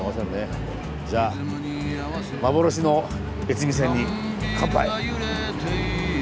じゃあ幻の越美線に乾杯。